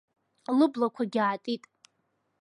Лыблақәагьы аатит.